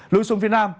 lối xuống phía nam